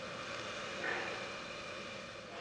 同年雷丁议会将原先的文理学院并入雷丁学院。